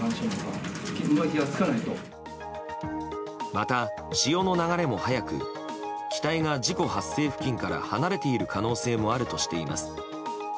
また、潮の流れも速く機体が事故発生付近から離れている可能性もあるとしています。